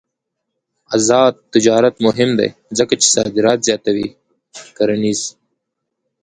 آزاد تجارت مهم دی ځکه چې صادرات زیاتوي کرنيز.